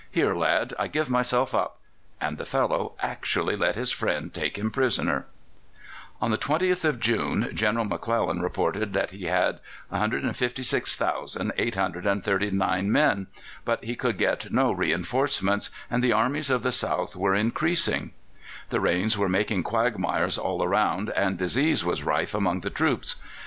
Here, lad, I give myself up." And the fellow actually let his friend take him prisoner. On the 20th of June General McClellan reported that he had 156,839 men, but he could get no reinforcements, and the armies of the South were increasing. The rains were making quagmires all around, and disease was rife among the troops.